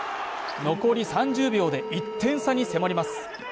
残り３０秒で１点差に迫ります。